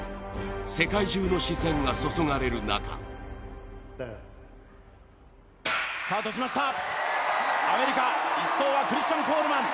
世界中の視線が注がれる中アメリカ、１走はクリスチャン・コールマン。